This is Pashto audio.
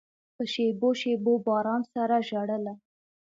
په شېبو، شېبو باران سره ژړله